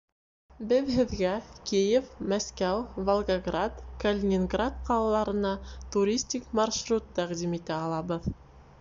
Беҙ һеҙгә Киев, Мәскәү, Волгоград, Калининград ҡалаларына туристик маршрут тәҡдим итә алабыҙ.